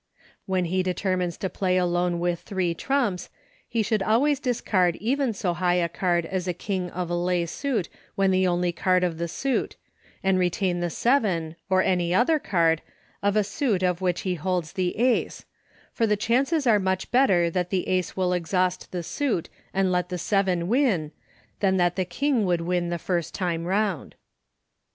When he determines to Play Alone with three trumps, he should always discard even so high a card as a King of a lay suit when the only card of the suit, and retain the seven, or any other card, of a suit of which he holds the Ace, for the chances are much better that the Ace will exhaust the suit and let the seven win, than that the King would win the first time round.